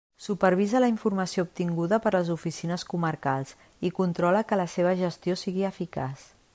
Supervisa la informació obtinguda per les oficines comarcals i controla que la seva gestió sigui eficaç.